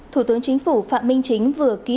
thủ tướng chính phủ phạm minh chính vừa ký